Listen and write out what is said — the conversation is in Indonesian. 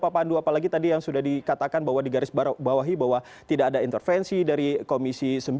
apalagi yang sudah dikatakan di garis bawahi bahwa tidak ada intervensi dari komisi sembilan